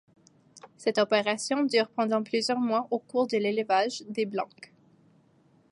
Cette opération dure pendant plusieurs mois au cours de l'élevage des blancs.